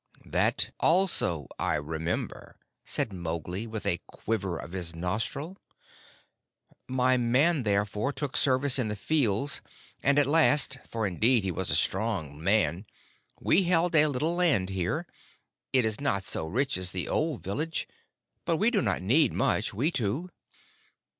"That also I remember," said Mowgli, with a quiver of his nostril. "My man, therefore, took service in the fields, and at last for, indeed, he was a strong man we held a little land here. It is not so rich as the old village, but we do not need much we two."